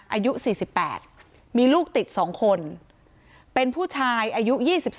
อายุ๔๘มีลูกติด๒คนเป็นผู้ชายอายุ๒๒